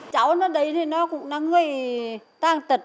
cháu nó đấy thì nó cũng là người tăng tật